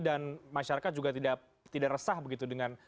dan masyarakat juga tidak resah begitu dengan